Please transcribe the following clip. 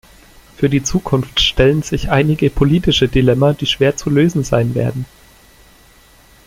Für die Zukunft stellen sich einige politische Dilemma, die schwer zu lösen sein werden.